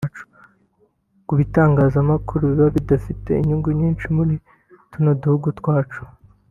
Ku bitangazamakuru biba bidafite inyungu nyinshi muri tuno duhugu twacu